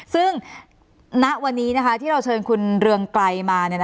ซึ่งณวันนี้ที่เราเชิญคุณเรืองไกรมา